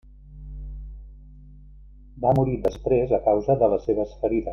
Va morir després a causa de les seves ferides.